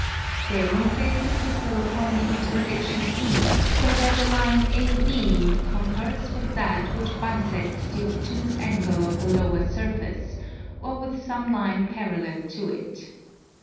Then place the Crystal upon the intersection E so that the line AB concurs with that which bisects the obtuse angle of the lower surface, or with some line parallel to it.